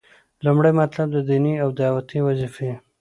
لومړی مطلب - ديني او دعوتي وظيفي: